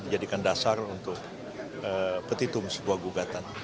dijadikan dasar untuk petitum sebuah gugatan